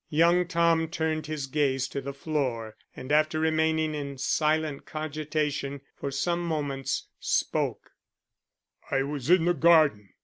Young Tom turned his gaze to the floor and after remaining in silent cogitation for some moments spoke: "I was in the garden.